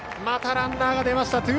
またランナーが出ました。